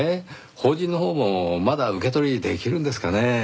法人のほうもまだ受け取りできるんですかねぇ？